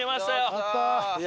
やったー。